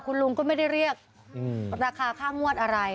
ค่ะคุณลุงก็ไม่ได้เรียกราคาค่ามวดอะไรต้องคิดสมัยต้อนพูดได้